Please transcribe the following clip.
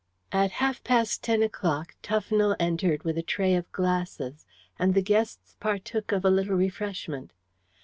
At half past ten o'clock Tufnell entered with a tray of glasses, and the guests partook of a little refreshment.